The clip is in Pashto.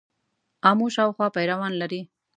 آمو شاوخوا پیروان لري.